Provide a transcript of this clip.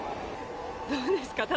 どうですか？